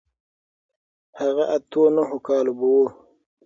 هغه اتو نهو کالو به و.